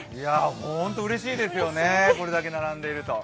ホント、うれしいですよね、これだけ並んでいると。